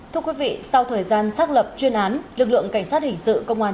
thưa quý vị sau thời gian xác lập chuyên án lực lượng cảnh sát hình sự công an